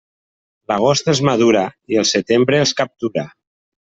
L'agost els madura i el setembre els captura.